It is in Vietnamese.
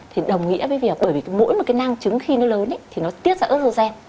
thì đồng nghĩa với việc bởi vì mỗi một cái năng trứng khi nó lớn thì nó tiết ra ớt hơn gen